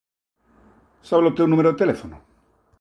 Sabes o teu número de teléfono?